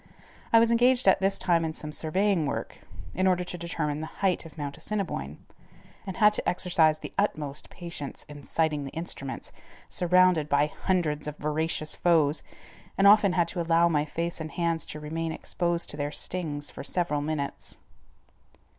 I was engaged at this time in some surveying work, in order to determine the height of Mount Assiniboine, and had to exercise the utmost patience in sighting the instruments, surrounded by hundreds of voracious foes, and often had to allow my face and hands to remain exposed to their stings for several minutes.